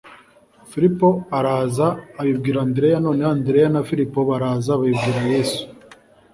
Filipo araza abibwira Andreya, noneho Andreya na Filipo baraza babibwira Yesu.' »